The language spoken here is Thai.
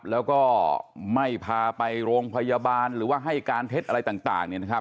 แล้วก็ไม่พาไปโรงพยาบาลหรือว่าให้การเท็จอะไรต่าง